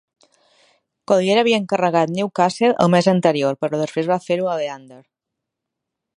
Collier havia encarregat "Newcastle" el mes anterior, però després va fer-ho a "Leander".